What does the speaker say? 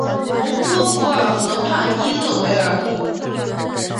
蒙特福尔河畔伊勒维尔。